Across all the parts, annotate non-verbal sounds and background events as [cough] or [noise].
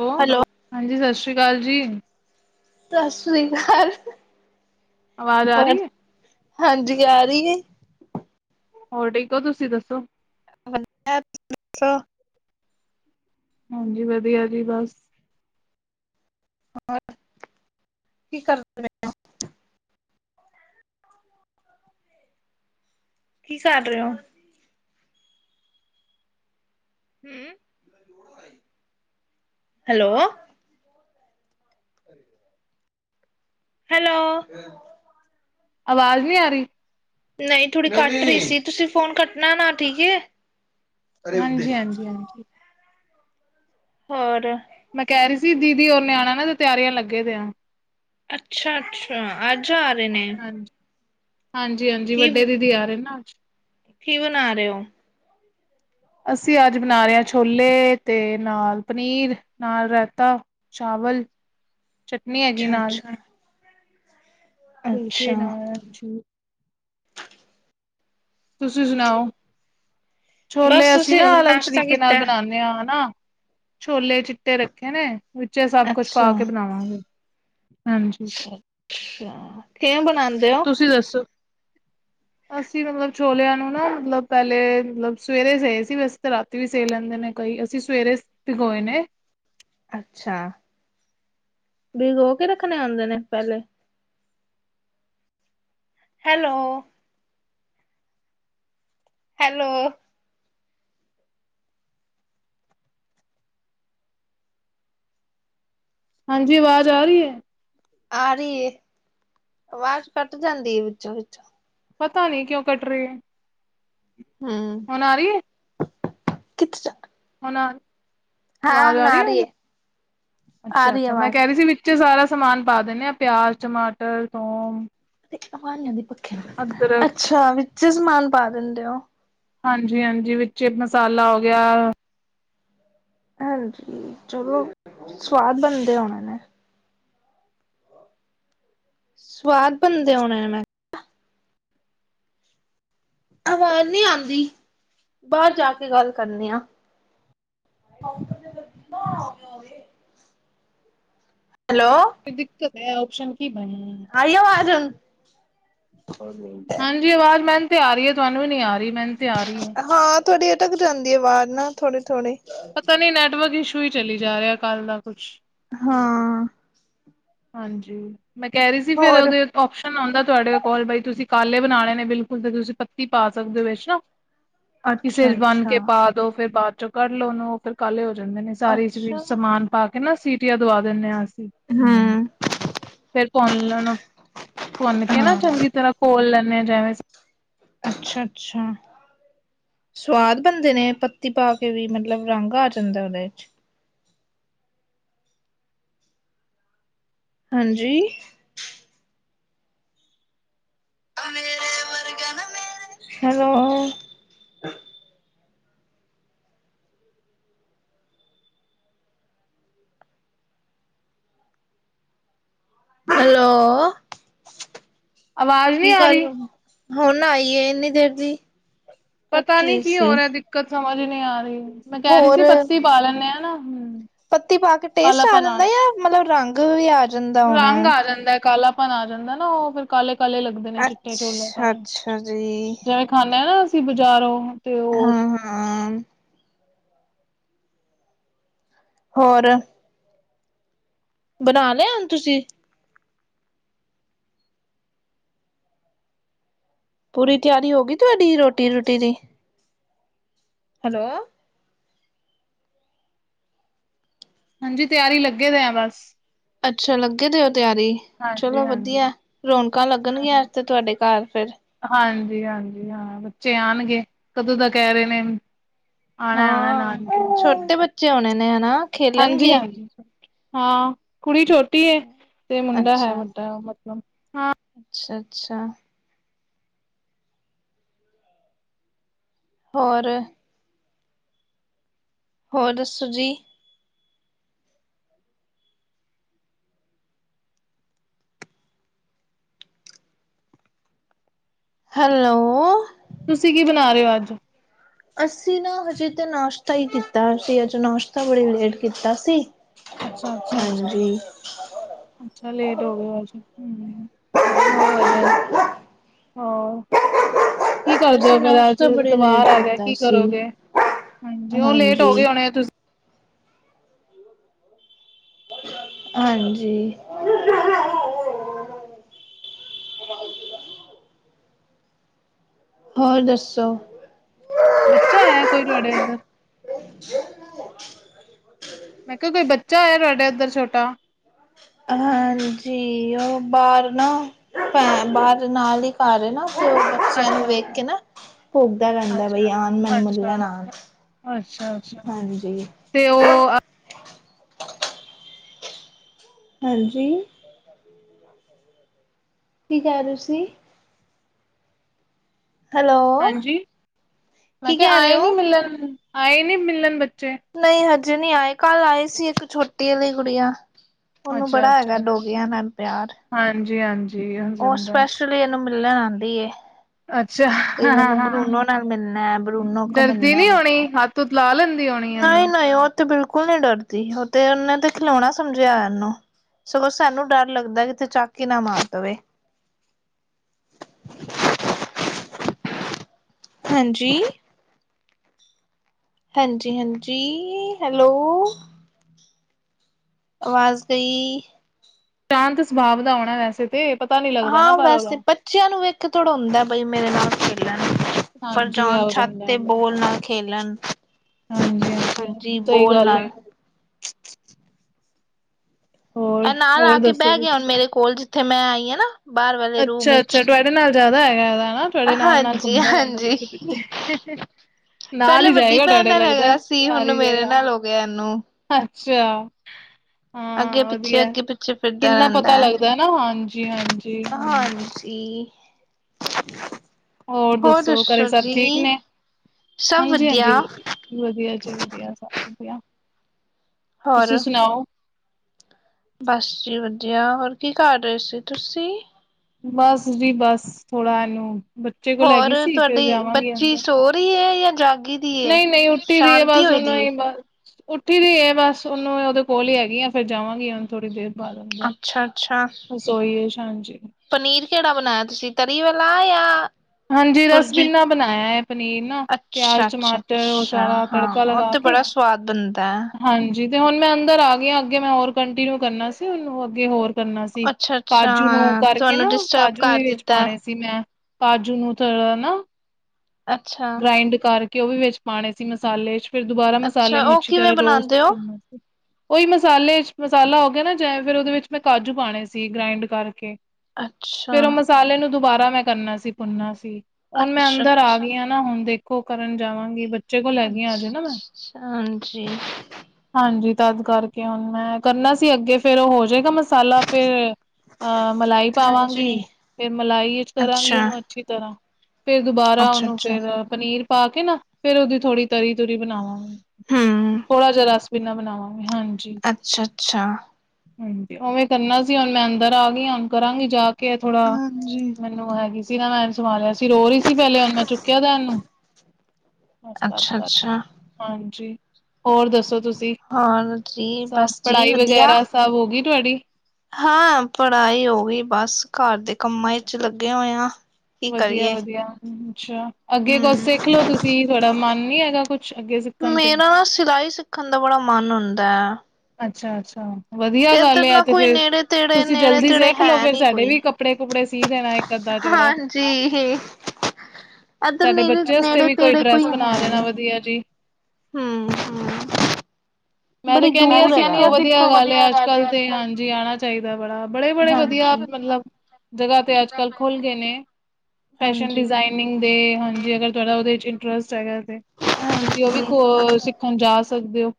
ਹੈੋ hello ਹਾਂਜੀ ਸਤਿ ਸ਼੍ਰੀ ਅਕਾਲ ਜੀ। ਸਤਿ ਸ੍ਰੀ ਕਾਲ ਆਵਾਜ਼ ਆ ਰੀ ਏ। ਹਾਂਜੀ ਆ ਰੀ ਏ। ਹੋਰ ਠੀਕ ਹੋ ਤੁਸੀਂ ਦੱਸੋ? ਹਾਂ। ਹਾਂਜੀ ਵਧੀਆ ਜੀ ਬਸ ਹੋਰ ਕੀ ਕਰਨ ਦੇ? ਕੀ ਕਰ ਰਹੇ ਹੋ? ਹੂੰ ਹੈਲੋ। ਘੱਰੇ ਹੈਲੋ ਆਵਾਜ਼ ਨੀਂ ਆ ਰੀ? ਨਹੀ ਥੋੜ੍ਹੀ ਕੱਟ ਰਹੀ ਸੀ, ਤੁਸੀਂ ਫੋਨ ਕੱਟਣਾ ਨਾ, ਠੀਕ ਏ? ਹਾਂਜੀ, ਹਾਂਜੀ, ਹਾਂਜੀ। ਹੋਰ ਮੈਂ ਕਹਿ ਰਹੀ ਸੀ ਦੀਦੀ ਔਰ ਨੇ ਆਣਾ ਨਾ ਤੇ ਤਿਆਰੀਆਂ ਲੱਗੇ ਦੇ ਆ ਅੱਛਾ-ਅੱਛਾ ਅੱਜ ਆ ਰਹੇ ਨੇ। ਹਾਂਜੀ-ਹਾਂਜੀ ਕੀ ਵੱਡੇ ਦੀਦੀ ਆਰਏ ਨਾੱ ਅਜ। ਕੀ ਬਣਾ ਰਹੇ ਹੋ? ਅਸੀਂ ਅੱਜ ਬਨਾ ਰੇ ਆਂ ਛੋਲੇ ਤੇ ਨਾਲ ਪਨੀਰ ਨਾਲ ਰੈਤਾ। ਚਾਵਲ ਚਟਨੀ ਹੈਗੀ ਅੱਛਾ ਨਾਲ। ਅੱਛਾ ਅੱਛਾ ਫੁਲਕੇ ਨਾਲ ਚੂ ਤੁਸੀਂ ਸੁਣਾਓ? ਛੋਲੇ ਬਸ ਅਸੀਂ ਤੁਸੀਂ ਨਾ ਹੁਣ ਅਲੱਗ ਨਾਸ਼ਤਾ ਤਰੀਕੇ ਨਾਲ ਕੀਤਾ? ਬਨਾਣੇ ਆਂ ਨਾ ਛੋਲੇ ਚਿੱਟੇ ਰੱਖੇ ਨੇ ਵਿੱਚੇ ਸਭ ਕੁਛ ਅੱਛਾ ਪਾ ਕੇ ਬਨਾਵਾਂਗੀ। ਅੱਛਾ-ਅੱਛਾ, ਕਿਵੇਂ ਬਣਾਦੇ ਓ? ਤੁਸੀਂ ਦੱਸੋ? ਅਸੀਂ ਮਤਲਬ ਛੋਲੇਆਂ ਨੂੰ ਨਾ ਮਤਲਬ ਪਹਿਲੇ ਮਤਲਬ ਸਵੇਰੇ ਸਈ ਸੀ ਬਸ ਤਾਂ ਰਾਤੀ ਵੀ ਸਈ ਲੈਂਦੇ ਨੇ। ਕਈ ਅਸੀਂ ਸਵੇਰੇ ਭੀਗੋਏ ਨੇ ਅੱਛਾ, ਭੀਗੋਕੇ ਰੱਖਣੇ ਹੁਦੇ ਨੇ ਪੈੱਲੇ ਹੈਲੋ। ਹੈਲੋ। ਹਾਂਜੀ, ਆਵਾਜ ਆ ਰਈ ਆ? ਆ ਰਈ ਏ। ਆਵਾਜ ਕੱਟ ਜਾਂਦੀ ਏ ਵਿੱਚੋਂ-ਵਿੱਚੋਂ ਪਤਾ ਨੀਂ ਕਿਓਂ ਕੱਟ ਰਈ ਐ? ਹਮ ਹੁਣ ਆ ਰੀ ਐ? [unintelligible] ਹੁਣ ਹਾਂ ਆਵਾਜ ਆਰੀ ਆ ਏ ਰਹੀ ਹੁਣ ਹੈ ਆ ਰਹੀ ਅੱਛਾ-ਅੱਛਾ ਮੈਂ ਆਵਾਜ਼ ਕੈਰੀ ਸੀ ਬੀ ਵਿੱਚੇ ਸਾਰਾ ਸਮਾਨ ਪਾ ਦਿੰਨੇ ਆਂ ਪਿਆਜ, ਟਮਾਟਰ, ਥੋਮ ਤੇ ਅਵਾਨੀਆਂ ਦੇ ਪੱਖੇ ਨ ਅੰਦਰ ਅੱਛਾ, ਵਿੱਚੇ ਸਮਾਨ ਪਾ ਦਿੰਦੇ ਓ? ਹਾਂਜੀ- ਹਾਂਜੀ ਵਿੱਚ ਮਸਾਲਾ ਹੋ ਗਿਆ ਹਾਂਜੀ ਚਲੋ ਸਵਾਦ ਬਨਦੇ ਹੋਨੇ ਨੇ। ਸਵਾਦ ਬਣਦੇ ਹੋਣੇ ਮੈਂ ਕਿਹਾ ਆਵਾਜ਼ ਨੀ ਆਂਦੀ ਬਾਰ ਜਾ ਕੇ ਗੱਲ ਕਰਨੀ ਆ। ਹੈਲੋ। ਫਿਰ ਦਿੱਕਤ ਐ ਓਪਸ਼ਨ ਕੀ ਬਣ ਆਈਓ ਆਵਾਜ ਹੁਣ? ਹਾਂਜੀ ਆਵਾਜ਼ ਮੈਨੂੰ ਤੇ ਆ ਰਹੀ ਐ, ਤੁਹਾਨੂੰ ਈ ਨੀ ਆ ਰਈ। ਹਾਂ ਥੋੜੀ ਅਟਕ ਜਾਂਦੀ ਆ ਆਵਾਜ਼ ਨਾ ਥੋੜੀ-ਥੋੜੀ। ਪਤਾ ਨੀ ਨੈਟਵਰਕ ਇਸ਼ੂ ਹੀ ਚਲੀ ਜਾ ਰਿਹਾ। ਕੱਲ ਦਾ ਕੁਛ ਹਾਂ। ਹਾਂਜੀ ਮੈਂ ਕਹਿ ਰਈ ਸੀ। ਫਿਰ ਹੋਰ ਉਹਦੇ ਓਪਸ਼ਨ ਆਉਂਦਾ ਤੁਹਾਡੇ ਕੋਲ ਬਈ ਤੁਸੀਂ ਕਾਲੇ ਬਣਾਉਣੇ ਨੇ ਬਿਲਕੁਲ ਤੇ ਤੁਸੀਂ ਪੱਤੀ ਪਾ ਸਕਦੇ ਹੋ ਵਿੱਚ ਨਾ ਹਮ [inaudible] ਕਿਸੇ ਚ ਬੰਨ ਕੇ ਪਾਦ ਦੋ ਫੇਰ ਬਾਅਦ ਚੋਂ ਕੱਢ ਲੋ। ਉਨੂੰ ਫਿਰ ਕਾਲੇ ਹੋ ਜਾਂਦੇ ਨੇ ਸਾਰੀ ਵਿੱਚ ਅੱਛਾ ਸਮਾਨ ਪਾ ਕੇ। ਇਨਾ ਸੀਟੀਆ ਦਵਾ ਦਿੰਨੇ ਆ ਅਸੀ। ਹੂੰ ਫੇਰ ਭੁੰਨ ਲੈਣਾ ਭੁੰਨ ਕੇ ਨਾ ਹਾਂ ਚੰਗੀ ਤਰ੍ਹਾਂ ਕੋਲ ਲੈਂਣੇ ਆਾ ਜਿਵੇਂ ਅੱਛਾ-ਅੱਛਾ। ਸਵਾਦ ਬਣਦੇ ਨੇ ਪੱਤੀ ਪਾ ਕੇ ਵੀ ਮਤਲਬ ਰੰਗ ਆ ਜਾਂਦਾ ਉਹਦੇ ਵਿੱਚ। ਹਾਂਜੀ। ਹੈਲੋ। ਹੈਲੋ ਆਵਾਜ਼ ਨਹੀਂ ਕੀ ਆ ਗੱਲ ਰਹੀ ਹੋ ਗਈ? ਹੁਣ ਆਈ ਇੰਨੀ ਦੇਰ ਦੀ ਪਤਾ ਕੱਟ ਨੀ ਰਹੀ ਕੀ ਹੋ ਸੀ ਰਿਹਾ ਦਿੱਕਤ ਸਮਝ ਨਹੀਂ ਆ ਰਹੀ ਮੈਂ ਕਹਿ ਰਹੀ ਹੋਰ ਸੀ। ਪੱਤੀ ਪਾ ਲੈਂਨੇ ਆ ਨਾ ਹਮ ਪੱਤੀ ਪਾ ਕੇ ਟੇਸਟ ਆ ਜਾਂਦਾ ਜਾਂ ਮਤਲਬ ਰੰਗ ਵੀ ਆ ਜਾਂਦਾ ਹੋਣਾ ਰੰਗ ਆ ਜਾਂਦਾ ਹੈ ਕਾਲਾਪਨ ਆ ਜਾਂਦਾ ਨਾ ਉਹ ਫਿਰ ਕਾਲੇ ਕਾਲੇ ਲੱਗਦੇ ਚਿੱਟੇ ਚੋਲੇ ਪ ਅੱਛਾ-ਅੱਛਾ ਜੀ ਜਿਵੇਂ ਖਾਨੇ ਆ ਨਾ ਅਸੀਂ ਬਾਜ਼ਾਰੋਂ ਤੇ ਓ ਹਾਂ। ਹੋਰ। ਬਣਾ ਲਿਆ ਹੁਣ ਤੁਸੀਂ। ਪੂਰੀ ਤਿਆਰੀ ਹੋ ਗਈ ਤੁਹਾਡੀ ਰੋਟੀ ਰੂਟੀ ਦੀ? ਹੈਲੋ। ਹਾਂਜੀ ਤਿਆਰੀ ਲੱਗੇ ਦੇ ਆ ਬਸ। ਅੱਛਾ ਲੱਗੇ ਤੇ ਓ ਤਿਆਰੀ। ਹਾਂਜੀ ਚਲੋ ਹਾਂਜੀ ਵਧੀਆ ਰੌਣਕਾਂ ਲੱਗਣਗੀਆਂ ਹਾਂਜੀ ਤੇ ਤੁਹਾਡੇ ਘਰ ਫਿਰ। ਹਾਂਜੀ- ਹਾਂਜੀ ਹਾਂ ਬੱਚੇ ਆਨਗੇ ਕਦੋਂ ਦਾ ਕਹਿ ਰਹੇ ਨੇ। ਆਣਾ-ਆਣਾ ਨਾਲ। ਹਾਂ ਛੋਟੇ ਬੱਚੇ ਆਉਣੇ ਨੇ ਹਨਾ। ਖੇਲਣਗੇ ਹਾਂਜੀ-ਹਾਂਜੀ ਹਾਂ ਕੁੜੀ ਛੋਟੀ ੜੀ ਤੇ ਮੁੰਡਾ ਹੈ ਵੱਡਾ ਮਤਲਬ ਹਾਂ ਅੱਛਾ-ਅੱਛਾ। ਹੋਰ। ਹੋਰ ਦੱਸੋ ਜੀ? ਹੈਲੋ ਔ। ਤੁਸੀਂ ਕੀ ਬਣਾ ਰਹੇ ਹੋ ਅੱਜ? ਅਸੀਂ ਨਾ ਹਜੇ ਤਾਂ ਨਾਸ਼ਤਾ ਹੀ ਕੀਤਾ ਸੀ ਅਜ ਨਾਸ਼ਤਾ ਬੜੇ ਲੇਟ ਕੀਤਾ ਸੀ। ਅੱਛਾ- ਅੱਛਾ-ਅੱਛਾ- ਹਾਂਜੀ ਅੱਛਾ ਲੇਟ ਹੋ ਗਏ ਅੱਜ। ਹੋਰ ਹਾ ਕੀ ਕਰਦੇ ਹੋ ਅਸੀਂ ਫੇਰ ਅੱਜ ਨਾਸ਼ਤਾ ਬੜੀ ਲੇਟ ਏਤਵਾਰ ਹੈਗਾ। ਕੀਤਾ ਕੀ ਸੀ ਕਰੋਗੇ, ਹਾਂਜੀ ਔ ਲੇਟ ਹੋ ਗਏ ਹੋਣੇ ਤੁਸੀਂ ਹਾਂਜੀ। ਹੋਰ ਦੱਸੋ? ਬੱਚਾ ਆਇਆ ਕੋਈ ਤੁਹਾਡੇ ਅੰਦਰ। ਜ [unintelligible] ਮੈਂ ਕਿਹਾ ਕੋਈ ਬੱਚਾ ਹੈ ਤੁਹਾਡੇ ਉੱਧਰ ਛੋਟਾ। ਹਾਂਜੀ ਔਹ ਬਾਰ ਨਾ। ਭੈਣ ਬਾਹਰ ਨਾਲ ਹੀ ਘਰ ਏ ਨਾ ਕੌਲ ਬੱਚਿਆਂ ਨੂੰ ਅੱਛਾ ਵੇਖ ਅੱਛਾ ਕੇ ਨਾ ਭੋਕਦਾ ਰਹਿੰਦਾ ਬਈ ਆਣ ਮੈਨੂੰ ਮਿਲਣ ਆਉਣ। ਅੱਛਾ-ਅੱਛਾ ਤੇ ਔਹ ਆ। ਹਾਂਜੀ। ਕੀ ਕਾ ਰਹੇ ਤੁਸੀਂ? ਹੈਲੋ ਹਾਂਜੀ ਮੈਂ ਕੀ ਕਹਿ ਕਿਹਾ ਰਹੇ ਆਏ ਨਹੀਂ ਹੋ ਮਿਲਣ ਆਏ ਨਹੀ ਮਿਲਣ ਬੱਚੇ ਨਹੀਂ ਹਜੇ ਨਹੀ ਆਏ ਕੱਲ ਆਏ ਸੀ ਇੱਕ ਛੋਟੀ ਵਾਲੀ ਗੁੜੀਆ। ਔਹਨੂੰ ਬੜਾ ਹੈਗਾ ਡੋਗਿਆਂ ਨਾਲ ਪਿਆਰ। ਹਾਂਜੀ-ਹਾਂਜੀ ਹੋ ਜਾਂਦਾ। ਲੀ ਇਹਨੂੰ ਮਿਲਣ ਆਉਂਦੀ ਏ ਅੱਛਾ ਬਈ ਮੈਨੂੰ ਹਾਂ ਬਰੂਨੋ ਨਾਲ ਮਿਲਣਾ ਬਰੂਨੋ ਕੋ ਮਿਲਣਾ ਮੇਰੇ ਕੋ। ਤੂੰ ਲਾ ਲੈਦੇ ਦੇ ਹੁਣ। ਨਹੀਂ ਨਹੀਂ ਔਹ ਤੇ ਬਿਲਕੁਲ ਨਹੀਂ ਡਰਦੀ ਔਤੇ ਤੇ ਉਹਨੇ ਤੇ ਖਿਲੌਉਣਾ ਸਮਝਿਆ ਇਹਨੂੰ। ਸਗੋਂ ਸਾਨੂੰ ਡਰ ਲੱਗਦਾ ਕਿਤੇ ਚਾਕ ਨਾ ਮਾਰ ਦੇਵੇ। ਹਾਂਜੀ। ਹਾਂਜੀ -ਹਾਂਜੀ ਹੈਲੋ। ਆਵਾਜ਼ ਗ ਈ। ਸ਼ਾਂਤ ਸੁਭਾਵ ਦਾ ਆਉਣਾ ਵੈਸੇ ਤੇ ਪਤਾ ਨੀ ਲੱਗਦਾ ਨਾ ਹਾਂ ਪਰ ਵੈਸੇ ਉਹਦੋ। ਬੱਚਿਆਂ ਨੂੰ ਇਕ ਥੋੜਾ ਬਈ ਮੇਰੇ ਨਾਲ ਖੇਲਣ। ਉੱਪਰ ਹਾਂਜੀ ਜਾਣ ਇਹੋ ਜਿਹਾ ਛੱਤ ਤੇ ਹੁੰਦਾ ਬੋਲ ਨਾਲ ਖੇਲਣ। ਹਾਂਜੀ-ਹਾਂਜੀ, ਹਾਂਜੀ ਸਹੀ ਬੋਲ ਗੱਲ ਏ ਨਾਲ ਹੋਰ, ਇਹ ਨਾਲ ਆ ਹੋਰ ਕੇ ਦੱਸੋ ਬਹਿ ਗਿਆ ਹੁਣ ਮੇਰੇ ਕੋਲ ਜਿੱਥੇ ਮੈਂ ਆਈ ਆ ਨਾ। ਬਾਹਰ ਵਾਲੇ ਰੂਮ ਅੱਛਾ -ਅੱਛਾ ਵਿੱਚ ਤੁਹਾਡੇ ਨਾਲ ਜ਼ਿਆਦਾ ਹੈਗਾ ਹਨਾ, ਤੁਹਾਡੇ ਨਾਲ ਨਾਲ ਹਾਂਜੀ ਘੁੰਮਦਾ ਰਹਿੰਦਾ ਹਾਂਜੀ ਪਿੱਛੇ ਪਿੱਛੇ। ਨਾਲ ਪਹਿਲੇ ਹੀ ਵੱਡੀ ਜਾਏਗਾ ਤੂ ਆਡਾ ਭੈਣ ਡੇ ਨਾਲ ਲੱਗਦਾ ਸੀ ਹੁਣ ਸਾਰੀ ਮੇਰੇ ਜਗਾ। ਨਾਲ ਹੋ ਗਿਆ ਇਹਨੂੰ ਅੱਛਾ। ਅੱਗੇ ਹਾਂ ਪਿੱਛੇ ਵਧੀਆ ਅੱਗੇ ਪਿੱਛੇ ਫਿਰਦਾ ਕਿੰਨਾ ਪਤਾ ਰਹਿੰਦਾ ਹੈ ਲੱਗਦਾ ਨਾ ਹਾਂਜੀ, ਹਾਂਜੀ। ਹਾਂਜੀ। [inaudible] ਹੋਰ ਦੱਸੋ ਘਰੇ ਸਭ ਠੀਕ ਨੇ? ਹਾਂਜੀ ਹਾਂਜੀ ਵਧੀਆ ਵਧੀਆ ਜੀ ਵਧੀਆ ਸਭ ਵਧੀਆ ਤੁਸੀਂ ਹੋਰ ਸੁਣਾਓ। ਬਸ ਜੀ ਵਧੀਆ ਹੋਰ ਕੀ ਕਰ ਰਹੇ ਸੀ ਤੁਸੀਂ? ਬਸ ਜੀ ਬਸ ਥੋੜਾ ਇਹਨੂੰ। ਬੱਚੇ ਕੋਲ ਹੋਰ ਹੈਗੀ ਸੀ ਫਿਰ ਤੁਹਾਡੀ ਜਾਵਾਂਗੀ ਬੱਚੀ ਸੋ ਰਹੀ ਹੈ ਜਾਂ ਜਾਗੀ। ਦੀ ਹੈ ਨਹੀਂ ਨਹੀਂ ਉੱਠੀ ਦੀ ਹੈ। ਸ਼ਾਂਤੀ ਬਸ ਹੋਈ ਉਹਨੂੰ ਦੀ ਏ। ਏਨਾ ਉੱਠੀ ਦੀ ਹੈ ਬਸ ਉਹਨੂੰ ਉਹਦੇ ਕੋਲ ਹੀ ਹੈਗੀ ਆ ਫਿਰ ਜਾਵਾਂਗੀ ਹੁਨ ਥੋੜ੍ਹੀ ਦੇਰ ਬਾਅਦ ਏਦਾ ਅੱਛਾ- ਅੱਛਾ। ਰਸੋਈ ਸ਼ਾਂ ਚ, [inaudible] ਪਨੀਰ, ਕਿਹੜਾ ਬਣਾਇਆ ਤੁਸੀਂ, ਤਰੀ ਵਾਲਾ ਜਾਂ ਹਾਂਜੀ ਪੁਰਜੀ, ਰਸਗੁੱਲਾ ਬਣਾਇਆ ਹੈ ਪਨੀਰ ਨਾ ਅੱਛਾ, ਪਿਆਜ ਅੱਛਾ, ਟਮਾਟਰ ਉਹ ਅੱਛਾ ਸਾਰਾ ਤੜਕਾ ਹਾਂ ਲਗਾ ਉਥੇ ਕੇ ਬੜਾ। ਸਵਾਦ ਬਣਦਾ ਹਾਂਜੀ ਤੇ, ਹੁਣ ਮੈਂ ਅੰਦਰ ਆ ਗਈ ਹਾਂ, ਅੱਗੇ ਮੈਂ ਹੋਰ ਕੰਟੀਨਿਊ ਕਰਨਾ ਸੀ ਉਹ ਅੱਗੇ ਹੋਰ ਕਰਨਾ ਸੀ, ਅੱਛਾ-ਅੱਛਾ ਕਾਜੂ ਨੂੰ ਹਾਂ ਕਰਕੇ ਤੁਹਾਨੂੰ ਨਾ, ਡਿਸਟਰਬ ਕਾਜੂ ਕਰ ਹੀ ਵਿੱਚ ਦਿੱਤਾ ਪਾਉਣੇ ਸੀ ਮੈਂ ਬਾਜੂ ਨੂੰ ਥੋੜਾ ਨਾ ਅੱਛਾ। ਗ੍ਰਾਇੰਡ ਕਰਕੇ ਉਹ ਵੀ ਵਿੱਚ ਪਾਉਣੇ ਸੀ ਮਸਾਲੇ ਚ, ਫਿਰ ਦੁਬਾਰਾ ਮਸਾਲੇ ਨੂੰ ਅੱਛੀ ਤਰ੍ਹਾਂ, ਰੋਸਟ ਕਰਨਾ ਹ [inaudible] [inaudible] ਉਹੀ ਮਸਾਲੇ, ਮਸਾਲਾ ਹੋ ਗਿਆ ਨਾ ਜ ਫਿਰ, ਉਹਦੇ ਵਿੱਚ ਮੈਂ ਕਾਜੂ ਪਾਉਣੇ ਸੀ, ਗ੍ਰਾਇੰਡ ਕਰਕੇ। ਅੱਛਾ ਫਿਰ ਉਹ ਮਸਾਲੇ ਨੂੰ, ਦੁਬਾਰਾ ਮੈਂ ਕਰਨਾ ਸੀ। ਭੁੰਨਨਾ ਸੀ, ਹੁਣ ਮੈਂ ਅੰਦਰ ਆ ਅੱਛਾ-ਅੱਛਾ। ਗਈ ਆ ਨਾ। ਨਾ ਹੁਣ, ਦੇਖੋ ਕਰਨ ਜਾਵਾਂਗੇ ਬ ਅੱਛਾ, ਹਾਂਜੀ। ਹਾਂਜੀ, ਤਦ ਕਰਕੇ ਹੁਣ ਮੈਂ ਕਰਨਾ ਸੀ, ਅੱਗੇ ਫੇਿਰ ਉਹ ਹੋ ਜਾਏਗਾ ਮਸਾਲਾ ਫਿਰ ਅਹ, ਮਲਾਈ ਪਾਵਾਂਗੀ ਫੇਰ, ਮਲਾਈ ਕਰਾਂਗੀ ਅੱਛਾ। ਉਹਨੂੰ ਅੱਛੀ ਤਰ੍ਹਾਂ ਫੇਰ, ਦੁਬਾਰਾ ਉਹਨੂੰ ਅੱਛਾ-ਅੱਛਾ ਫੇਰ ਪਨੀਰ ਪਾ ਕੇ ਨਾ ਫੇਰ, ਉਹਦੀ ਥੋੜ੍ਹੀ ਤਰੀ ਤਰੀ ਬਣਾਵਾਂ ‌ ਹਮ ਥੋੜਾ ਜਿਹਾ, ਰਸ ਵੀਨਾ ਬਣਾਵਾਂਗੇ ਹਾਂਜੀ। ਅੱਛਾ- ਅੱਛਾ। ਹਾਂਜੀ, ਉਵੇਂ ਕਰਨਾ ਸੀ, ਹੁਣ ਮੈਂ ਅੰਦਰ ਆ ਗਈ ਹੁਣ, ਕਰਾਂਗੀ ਜਾ ਕੇ ਥੋੜਾ ਹਾਂਜੀ। ਹੈਗੀ ਸੀ ਨਾ, ਮੈਂ ਸੰਭਾਲਿਆ ਸੀ, ਰੋ ਰਹੀ ਸੀ ਪਹਿਲੇ ਉਹਨ ਮੈਂ ਚੁ ਅੱਛਾ-ਅੱਛਾ ਹਾਂਜੀ, ਹੋਰ ਦੱਸੋ ਤੁਸੀਂ? ਹੋਰ ਜੀ ਸਭ ਬਸ ਜੀ ਪੜ੍ਹਾਈ ਵਧੀਆ। ਵਗੈਰਾ, ਸਭ ਹੋ ਗਈ ਤੁਹਾਡੀ ਹਾਂ ਪੜ੍ਹਾਈ ਹੋ ਗਈ ਬਸ, ਘਰ ਦੇ ਕੰਮਾਂ ਲੱਗੇ ਹੋਏ ਆ। ਕੀ ਵਧੀਆ- ਕਰੀਏ ਵਧੀਆ ਅੱਛਾ, ਅੱਗੇ ਹਮ ਕੁਛ ਸਿੱਖ ਲੋ ਤੁਸੀਂ, ਥਹਾਡਾ ਮਨ ਨੀ ਹੈਗਾ, ਕੁੱਛ ਅੱਗੇ ਸਿੱਖਣ ਤੇ ਏ ਨਾ ਸਿਲਾਈ ਕਰਨ ਦਾ ਬੜਾ ਮਨ ਹੁੰਦਾ, ਅੱਛਾ- ਅੱਛਾ। ਵਧੀਆ ਤੇ ਗੱਲ ਇੱਧਰ ਆ, ਨਾ ਤੇ ਕੋਈ ਫੇਰ ਨੇੜੇ ਤੇੜੇ ਤੁਸੀਂ ਨੇੜੇ ਜਲਦੀ ਤੇੜੇ ਸਿਖ ਲਓ, ਹੈ ਫੇਰ ਨੀ ਸਾਡੇ ਕੋਈ। ਵੀ ਕੱਪੜੇ -ਕੁਪੜੇ ਕੀ ਦੇਣਾ, ਇੱਕ ਅੱਧਾ ਜੋੜਾ ਹਾਂਜੀ ਇੱਧਰ ਸਾਡੇ ਨੇੜੇ ਬੱਚੇ ਵਾਸਤੇ ਨੇੜੇ ਵੀ ਕੋਈ ਤੇੜੇ ਡਰੈਸ ਹੈ ਬਣਾ ਨੀ। ਦੇਣਾ, ਵਧੀਆ ਜਿਹੀ ਹੂੰ ਹੂੰ ਬੜੀ ਮੈਂਰਿਗ ਦੂਰ ਕਹਿਿੰਦੀ, ਆ ਹੈਗਾ ਸਿੱਖੋ ਵਾ। ਵਧੀਆ ਦੇਖੋ ਗੱਲ ਆਂ ਅੱਜ -ਕੱਲ ਏ ਤੇ ਹਾਂਜੀ ਆਣਾ ਚਾਹੀਦਾ, ਬੜਾ, ਬੜੇ -ਬੜੇ ਵਧੀਆ ਹਾਂਜੀ ਮਤਲਬ ਜਗ੍ਹਾ ਤੇ ਅੱਜ -ਕੱਲ ਖੁੱਲ ਗਏ ਨੇ, ਫੈਸ਼ਨ ਹਾਂਜੀ ਡਿਜ਼ਾਇਨਿੰਗ ਦੇ, ਹਾਂਜੀ, ਅਗਰ ਤੁਹਾਂਡਾ ਉਹਦੇ, ਇੰਟਰਸਟ ਹੈਗਾ ਤੁਸੀਂ, ਉਹ ਵੀ ਹਾਂਜੀ। ਸਿੱਖਣ ਜਾ ਸਕਦੇ ਹੋ?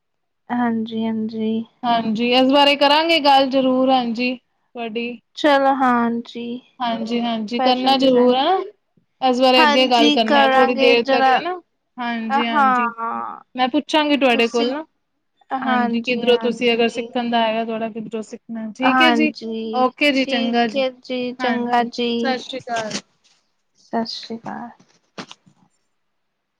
ਹਾਂਜੀ- ਹਾਂਜੀ। ਹਾਂਜੀ, ਇਸ ਬਾਰੇ ਕਰਾਂਗੇ ਗੱਲ ਜ਼ਰੂਰ ਹਾਂਜੀ, ਤੁਹਾਡੀ ਚਲੋ, ਹਾਂਜੀ। ਹਾਂਜੀ -ਹਾਂਜੀ ਕਰਨਾ ਫੈਸ਼ਨ ਜ਼ਰੂਰ ਡਿਜ਼ਾਇਨ ਹੈ। ਇਸ ਬਾਰੇ ਅੱਗੇ ਗੱਲ ਹਾਂਜੀ ਕਰਨੇ ਆ, ਥੋੜ੍ਹੀ ਕਰਾਂਗੇ ਦੇਰ ਤੱਕ ਜਰਾ ਹੈਨਾ ਹਾਂਜੀ ਹਾਂ -ਹਾਂਜੀ ਮੈਂ ਪੁੱਛਾਂਗੀ ਤੁਹਾਡੇ ਕੋਲ ਤੁਸੀਂ ਨਾ, ਹਾਂਜੀ, ਕਿੱਧਰੋਂ ਤੁਸੀਂ ਅਗਰ ਸਿੱਖਣ ਦਾ ਹੈਗਾ, ਥੋੜ੍ਹਾ ਕਿੱਧਰੋਂ ਸਿੱਖ ਨਾ ਠੀਕ ਹੈ ਜੀ, ਹਾਂਜੀ ਓਕੇ ਜੀ, ਚੰਗਾ ਠੀਕ ਜੀ, ਹੈ ਚੰਗਾ ਹਾਂਜੀ ਜੀ -ਸਤਿ ਸ਼੍ਰੀ ਅਕਾਲ। ਸਤਿ ਸ਼੍ਰੀ ਅਕਾਲ।